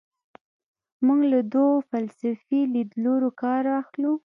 موږ له دوو فلسفي لیدلورو کار اخلو.